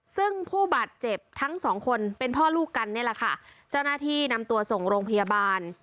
ซึ่งผู้บาดเจ็บทั้งสองคนเป็นพ่อลูกกันนี่แหละค่ะเจ้าหน้าที่นำตัวส่งโรงพยาบาล